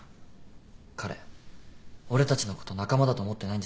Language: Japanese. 彼俺たちのこと仲間だと思ってないんじゃないかな。